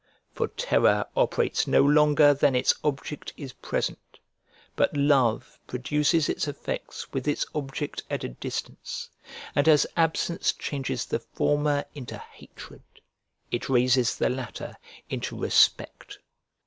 For terror operates no longer than its object is present, but love produces its effects with its object at a distance: and as absence changes the former into hatred, it raises the latter into respect.